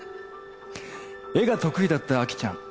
絵が得意だった亜紀ちゃん。